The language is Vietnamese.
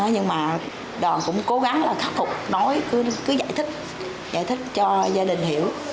nhưng mà cũng cố gắng là khắc phục nói cứ giải thích cho gia đình hiểu